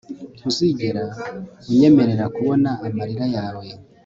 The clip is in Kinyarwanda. ntuzigera unyemerera kubona amarira yawe